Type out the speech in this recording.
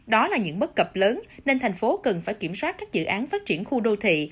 đó là những bất cập lớn nên thành phố cần phải kiểm soát các dự án phát triển khu đô thị